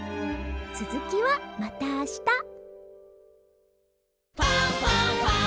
つづきはまたあした「ファンファンファン」